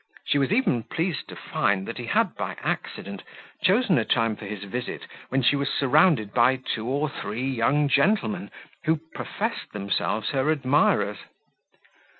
She was even pleased to find he had, by accident, chosen a time for his visit when she was surrounded by two or three young gentlemen, who professed themselves her admirers.